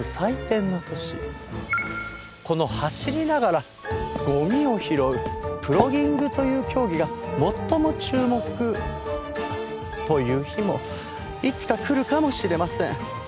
この走りながらゴミを拾うプロギングという競技が最も注目という日もいつか来るかもしれません。